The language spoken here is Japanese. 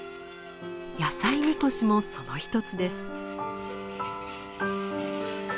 野菜神輿もその一つです。